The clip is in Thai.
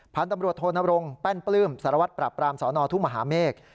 พันธุ์ตำรวจโทนรงค์แป้นปลื้มสารวัตรปรับปรามสนทุ่งมหาเมฆ